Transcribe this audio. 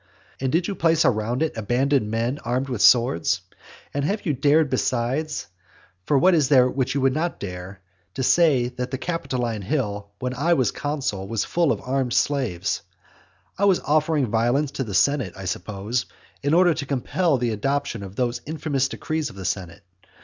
And did you place around it abandoned men armed with swords? But you have dared besides (what is there which you would not dare?) to say that the Capitoline Hill, when I was consul, was full of armed slaves. I was offering violence to the senate, I suppose, in order to compel the adoption of those infamous decrees of the senate.